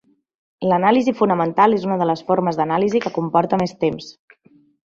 L'anàlisi fonamental és una de les formes d'anàlisi que comporta més temps.